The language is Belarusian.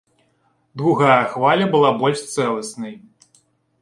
Другая хваля была больш цэласнай.